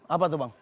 apa tuh bang